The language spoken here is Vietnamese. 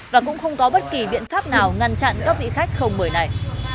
và cũng không có bất kỳ biện pháp nào ngăn chặn các vị khách không bởi này